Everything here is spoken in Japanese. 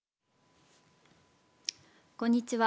こんにちは。